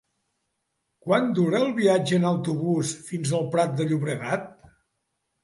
Quant dura el viatge en autobús fins al Prat de Llobregat?